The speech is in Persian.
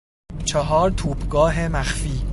چهار توپگاه مخفی